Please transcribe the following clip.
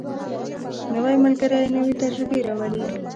نوی ملګری نوې تجربې راولي